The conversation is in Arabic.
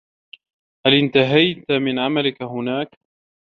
هل انتهيت من عملك هناك